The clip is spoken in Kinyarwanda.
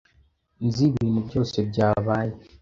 Nzi ibintu byose byabaye.